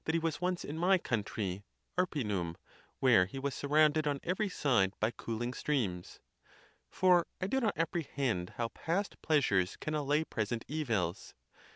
191 Arpinum, where he was surrounded on every side by cool. ing streams. For I do not apprehend how past pleasures can allay present evils.